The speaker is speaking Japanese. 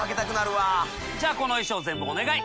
じゃこの衣装全部お願い！